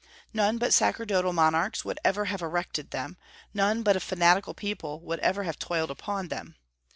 None but sacerdotal monarchs would ever have erected them; none but a fanatical people would ever have toiled upon them.